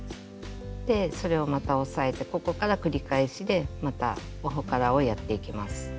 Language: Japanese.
それをまた押さえてここから繰り返しでまたオホカラをやっていきます。